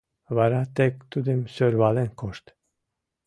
Вара тек тудым сӧрвален кошт.